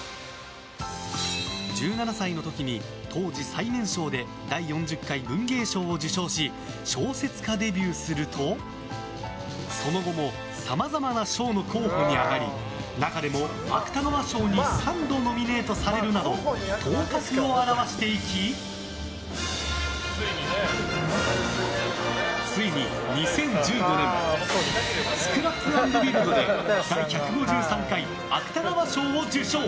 １７歳の時に当時最年少で第４０回文藝賞を受賞し小説家デビューするとその後もさまざまな賞の候補に挙がり中でも芥川賞候補に３度ノミネートされるなど頭角を現していきついに２０１５年「スクラップ・アンド・ビルド」で第１５３回芥川賞を受賞！